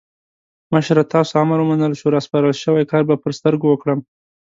مشره تاسو امر ومنل شو؛ راسپارل شوی کار به پر سترګو وکړم.